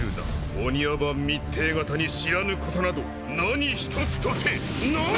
御庭番密偵方に知らぬことなど何一つとてない！